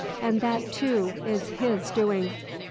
. and that, too, is his doing.